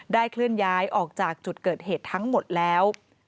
เคลื่อนย้ายออกจากจุดเกิดเหตุทั้งหมดแล้ว